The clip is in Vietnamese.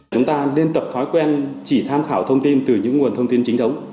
chúng ta nên tập thói quen chỉ tham khảo thông tin từ những nguồn thông tin chính thống